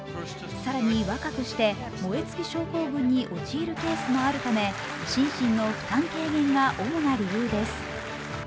更に、若くして燃え尽き症候群に陥るケースもあるため心身の負担軽減が主な理由です。